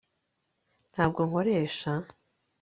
ntabwo nkoresha